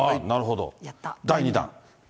なるほど、第２弾。